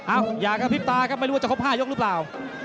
อยากกระพริบตาครับไม่รู้ว่าจะครบ๕ยกหรือเปล่า